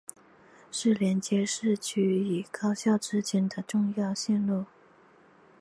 是连接市区与高校之间的重要线路。